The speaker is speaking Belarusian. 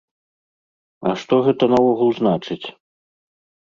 А што гэта наогул значыць?